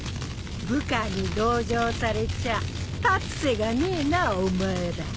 部下に同情されちゃあ立つ瀬がねえなお前ら。